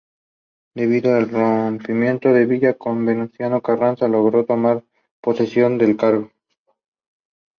There are about fifteen stamens and the ovary is glabrous.